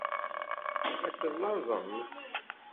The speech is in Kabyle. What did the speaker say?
Ad tellaẓemt.